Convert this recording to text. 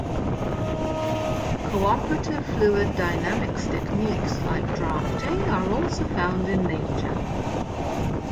Cooperative fluid dynamics techniques like drafting are also found in nature.